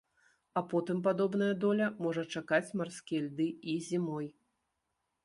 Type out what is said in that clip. А потым падобная доля можа чакаць марскія льды і зімой.